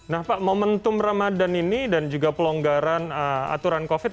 nah pak momentum ramadan ini dan juga pelonggaran aturan covid